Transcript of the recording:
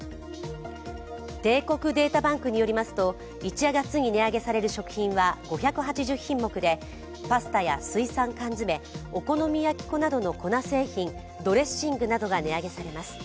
帝国データバンクによりますと１月に値上げされる食品は５８０品目でパスタや水産缶詰、お好み焼き粉などの、粉製品ドレッシングなどが値上げされます。